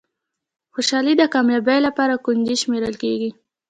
خوشالي د کامیابۍ لپاره کونجي شمېرل کېږي.